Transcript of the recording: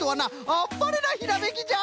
あっぱれなひらめきじゃ。